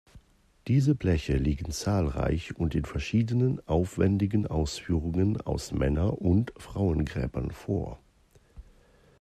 Diese Bleche liegen zahlreich und in verschieden aufwändigen Ausführungen aus Männer- und Frauengräbern vor.